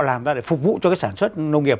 làm ra để phục vụ cho cái sản xuất nông nghiệp